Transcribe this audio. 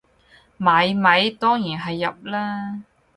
買米當然係入喇